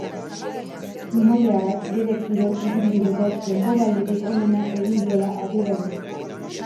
Zumaiarrak bere kirol ibilbideko denboraldirik onena egin duela adierazi du.